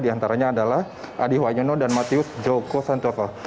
diantaranya adalah adi wayeno dan matius joko sancoso